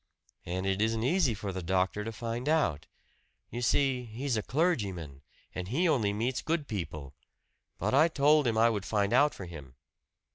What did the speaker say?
"And it isn't easy for the doctor to find out. You see he's a clergyman, and he only meets good people. But I told him I would find out for him."